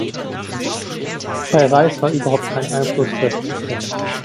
Bei Reis war überhaupt kein Einfluss festzustellen.